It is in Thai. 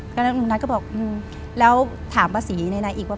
พระนุนัทก็บอกแล้วถามพระศรีในหน้าอีกว่า